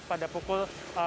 pada pukul lima belas tiga puluh